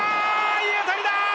いい当たりだー！